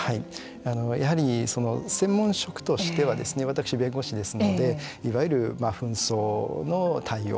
やはり専門職としては私、弁護士ですのでいわゆる紛争の対応